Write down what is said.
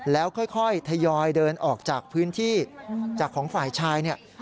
แล้วค่อยทยอยเดินออกจากพื้นที่จากของฝ่ายชายเนี่ย